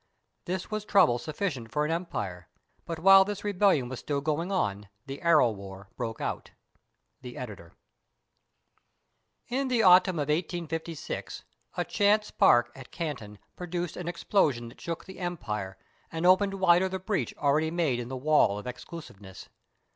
This was trouble sufl5cient for an empire; but while this rebellion was still going on, the "Arrow War" broke out. The Editor] In the autumn of 1856 a chance spark at Canton pro duced an explosion that shook the empire and opened wider the breach already made in the wall of exclusive ness.